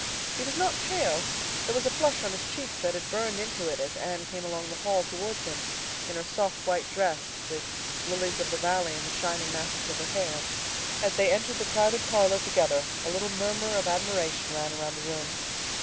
He was not pale; there was a flush on his cheek that had burned into it as Anne came along the hall towards him, in her soft, white dress with lilies of the valley in the shining masses of her hair. As they entered the crowded parlor together a little murmur of admiration ran around the room.